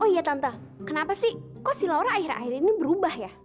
oh iya tante kenapa sih kok si laura akhir akhir ini berubah ya